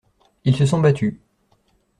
Ils se sont battus.